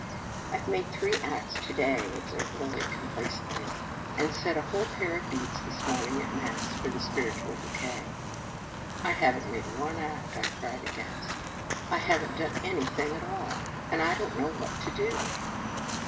" I ve made three acts to day," ob served Lilly complacently, "and said a whole pair of beads this morning at Mass for the spiritual bouquet." " I have n t made one act," I cried aghast. " I have n t done anything at all, and I don t know what to do."